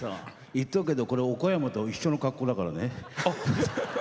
言っとくけど、これ岡山と一緒の格好だからね。